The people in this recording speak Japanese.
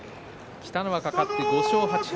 北の若、勝って５勝８敗